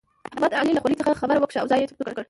احمد د علي له خولې څخه خبره وکښه او ځای يې چمتو کړ.